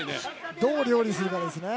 どう料理するかですね。